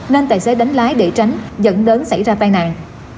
nên tài xế đánh lái để tránh dẫn đến xảy ra tai nạn